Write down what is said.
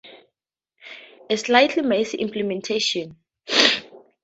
A slightly messy implementation